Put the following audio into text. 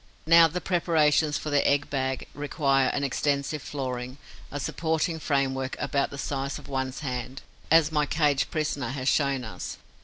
Now the preparations for the egg bag require an extensive flooring, a supporting framework about the size of one's hand, as my caged prisoner has shown us.